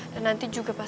dan nanti juga pasti asal